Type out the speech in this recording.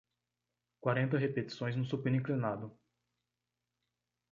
Quarenta repetições no supino inclinado